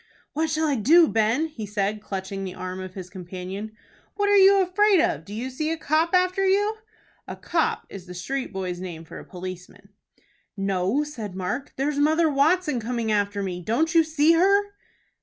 "What shall I do, Ben?" he said, clutching the arm of his companion. "What are you afraid of? Do you see a copp after you?" A "copp" is the street boy's name for a policeman. "No," said Mark; "there's Mother Watson coming after me. Don't you see her?"